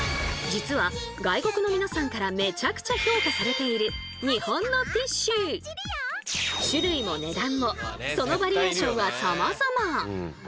実は外国の皆さんからめちゃくちゃ評価されている種類も値段もそのバリエーションはさまざま。